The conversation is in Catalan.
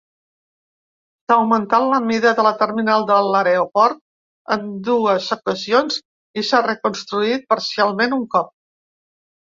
S'ha augmentat la mida de la terminal de l'aeroport en dues ocasions i s'ha reconstruït parcialment un cop.